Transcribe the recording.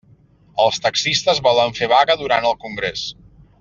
Els taxistes volen fer vaga durant el congrés.